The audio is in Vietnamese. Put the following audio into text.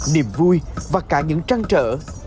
niềm vui và cả những trăn trở